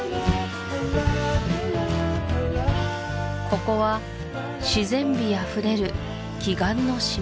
ここは自然美あふれる奇岩の島